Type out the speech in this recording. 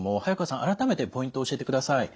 改めてポイントを教えてください。